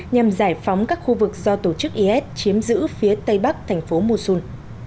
nhằm giải phóng các khu vực do tổ chức is chiếm giữ phía tây bắc thành phố mussol